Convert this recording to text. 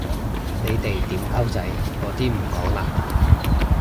你哋點溝仔嗰啲唔講嘞？